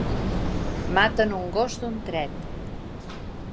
Maten un gos d'un tret